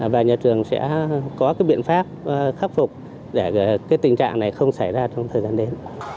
và nhà trường sẽ có cái biện pháp khắc phục để cái tình trạng này không xảy ra trong thời gian đến